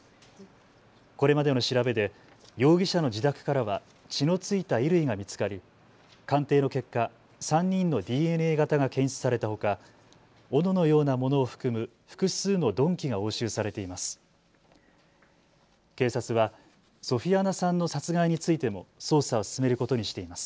これまでの調べで容疑者の自宅からは血の付いた衣類が見つかり、鑑定の結果、３人のＤＮＡ型が検出されたほかおののようなものを含む複数の鈍器が押収されています。